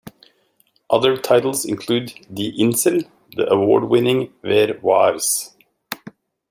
Other titles include "Die Insel", the award-winning "Wer War's?